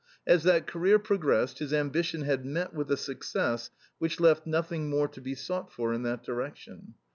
As that career progressed, his ambition had met with a success which left nothing more to be sought for in that direction.